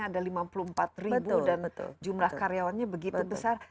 ada lima puluh empat ribu dan jumlah karyawannya begitu besar